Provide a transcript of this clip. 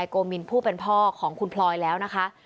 โกมินผู้เป็นพ่อของคุณพลอยแล้วนะคะ